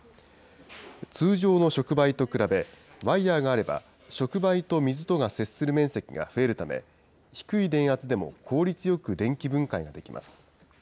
通常の触媒と比べ、ワイヤーがあれば、触媒と水とが接する面積が増えるため、低い電圧でも効率よく電気分解ができます。